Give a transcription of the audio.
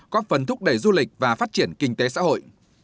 có phần thúc đẩy du lịch và phát triển kinh tế xã hội